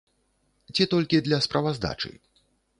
Ці толькі для справаздачы?